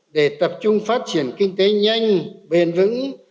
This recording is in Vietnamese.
để tập trung phát triển kinh tế nhanh bền vững